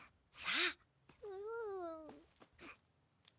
さあ。